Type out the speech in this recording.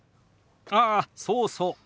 ああそうそう。